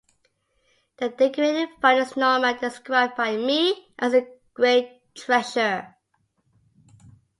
The decorated font is Norman, described by Mee as "a great treasure".